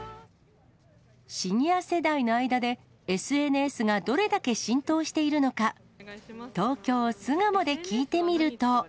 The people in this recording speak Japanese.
シニア世代の間でＳＮＳがどれだけ浸透しているのか、東京・巣鴨で聞いてみると。